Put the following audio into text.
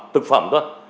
thực phẩm thôi